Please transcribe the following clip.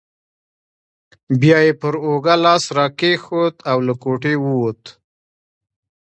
بیا یې پر اوږه لاس راکښېښود او له کوټې ووت.